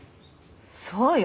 そうよ。